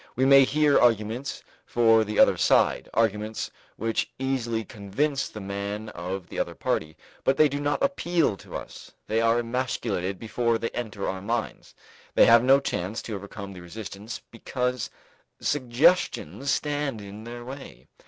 We may hear arguments for the other side, arguments which easily convince the man of the other party, but they do not appeal to us: they are emasculated before they enter our minds; they have no chance to overcome the resistance because suggestions stand in their way.